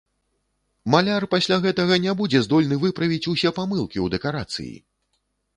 Маляр пасля гэтага не будзе здольны выправіць усе памылкі ў дэкарацыі!